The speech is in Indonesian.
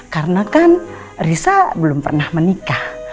karena kan risa belum pernah menikah